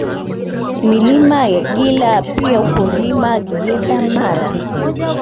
Milima ya Gila pia upo Mlima Giyeda Mara